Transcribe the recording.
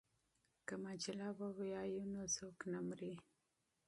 که مجله ولولو نو ذوق نه مري.